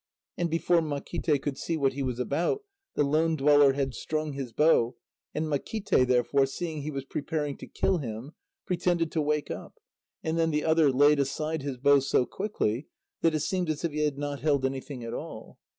And before Makíte could see what he was about, the lone dweller had strung his bow, and Makíte, therefore, seeing he was preparing to kill him, pretended to wake up, and then the other laid aside his bow so quickly that it seemed as if he had not held anything at all.